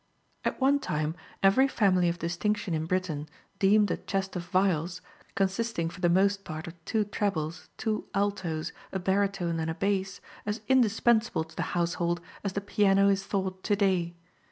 At one time every family of distinction in Britain deemed a chest of viols, consisting for the most part of two trebles, two altos, a barytone and a bass, as indispensable to the household as the piano is thought to day.